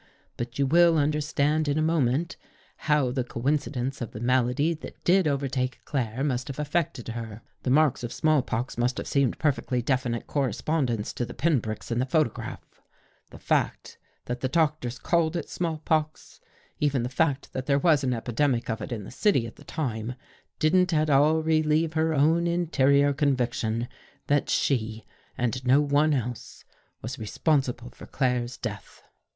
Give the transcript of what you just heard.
But you will understand in a moment, how the coinci dence of the malady that did overtake Claire must have affected her. The marks of small pox must have seemed perfectly definite correspondents to the pin pricks in the photograph. The fact that the doctors called it small pox, even the fact that there was an epidemic of it in the city at the time, didn't at all relieve her own interior conviction that she, and no one else, was responsible for Claire's death.